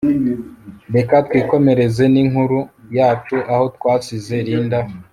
Reka twikomereze ninkuru yacu aho twasize Linda